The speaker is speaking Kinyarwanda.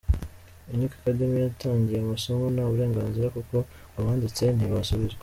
Unique Academy yatangije amasomo nta burenganzira kuko ngo banditse ntibasubizwe.